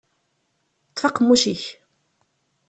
Ṭṭef aqemmuc-ik!